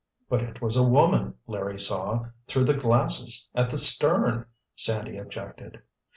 "But it was a woman Larry saw, through the glasses, at the stern," Sandy objected.